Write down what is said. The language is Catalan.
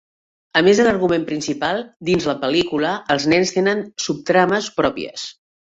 A més de l'argument principal, dins la pel·lícula, els nens tenen subtrames pròpies.